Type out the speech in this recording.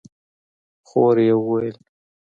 خور يې وويل: